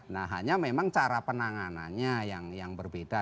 nah hanya memang cara penanganannya yang berbeda